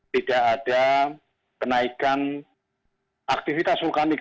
tidak ada kenaikan aktivitas vulkanik